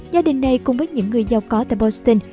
gia đình này cùng với những người giàu có tại boustin